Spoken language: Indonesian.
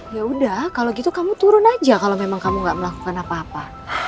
ya udah kalau gitu kamu turun aja kalau memang kamu gak melakukan apa apa